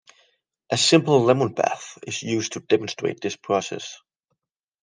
A simple lemon bath is used to demonstrate this process.